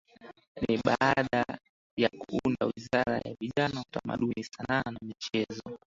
Ni baada ya kuunda Wizara ya Vijana Utamaduni Sanaa na Michezo